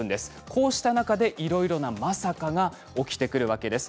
こうした中でいろいろなまさかが起きてくるわけです。